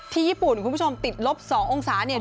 ญี่ปุ่นคุณผู้ชมติดลบ๒องศาเนี่ย